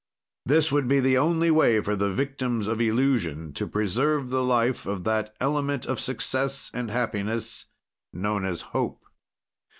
"This would be the only way for the victims of illusion to preserve the life of that element of success and happiness known as hope.